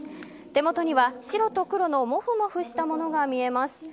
手元には白と黒のモフモフしたものが見えます。